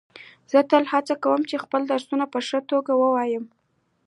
زه تل هڅه کوم چي خپل درسونه په ښه توګه ووایم.